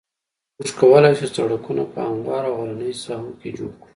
موږ کولای شو سرکونه په هموارو او غرنیو ساحو کې جوړ کړو